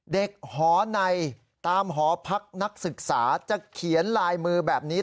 หอในตามหอพักนักศึกษาจะเขียนลายมือแบบนี้